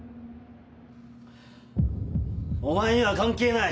お前には関係ない。